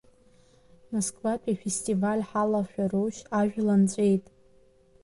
Москватәи афестиваль ҳалашәарушь, ажәла нҵәеит?